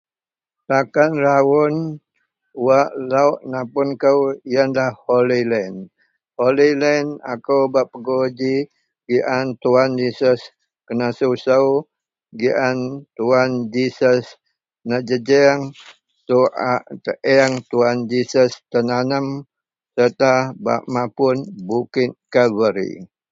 takan raun wak lok napun kou ienlah holy land, holy land akou bak pegui ji giaan Tuhan Jesus kenasusou, giaan Tuhan Jesus nejejeang, to a teang Tuhan Jesus tenanam serta bak mapun bukit kalvari